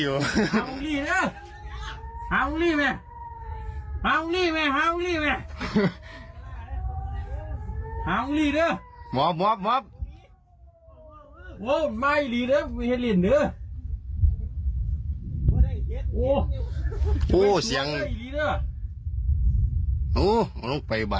ดูสุการประถัดขึ้นน่ะ